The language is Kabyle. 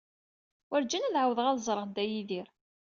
Werǧin ad ɛawdeɣ ad ẓreɣ Dda Yidir.